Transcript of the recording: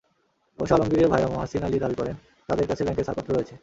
অবশ্য আলমগীরের ভায়রা মহাসিন আলী দাবি করেন, তাঁদের কাছে ব্যাংকের ছাড়পত্র রয়েছে।